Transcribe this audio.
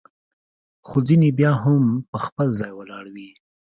خو ځیني بیا هم پر خپل ځای ولاړ وي.